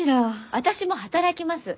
私も働きます。